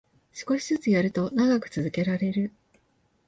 少しずつやると長く続けられる